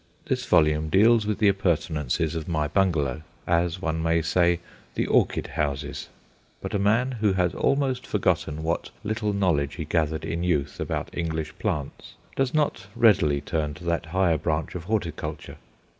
This volume deals with the appurtenances of my Bungalow, as one may say the orchid houses. But a man who has almost forgotten what little knowledge he gathered in youth about English plants does not readily turn to that higher branch of horticulture.